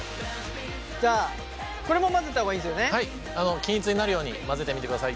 均一になるように混ぜてみてください。